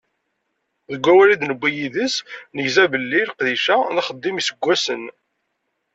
Deg wawal i d-newwi yid-s, negza belli leqdic-a, d axeddim n yiseggasen.